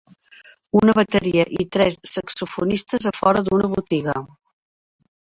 Un bateria i tres saxofonistes a fora d'una botiga.